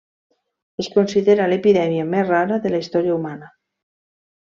Es considera l'epidèmia més rara de la història humana.